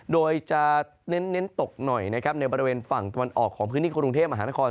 โดยจะเน้นตกหน่อยนะครับในบริเวณฝั่งตะวันออกของพื้นที่กรุงเทพมหานคร